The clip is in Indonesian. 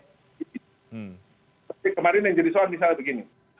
tapi kemarin yang jadi soal misalnya begini